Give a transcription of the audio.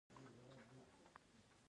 زه د مشرانو درناوی کوم.